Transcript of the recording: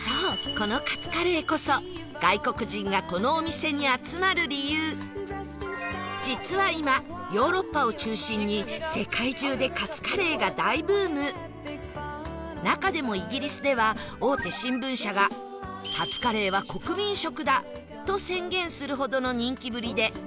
このカツカレーこそ実は今ヨーロッパを中心に中でもイギリスでは大手新聞社が「カツカレーは国民食だ！」と宣言するほどの人気ぶりで